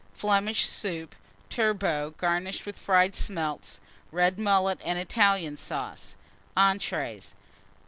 Flemish Soup. Turbot, garnished with Fried Smelts. Red Mullet and Italian Sauce. ENTREES.